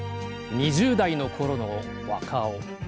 ２０代のころの若男。